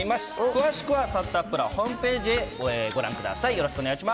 詳しくはサタプラホームページへ、ご覧ください。